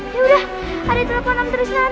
yaudah hari delapan puluh enam trisnaru ya